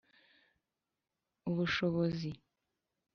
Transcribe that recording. ubushobozi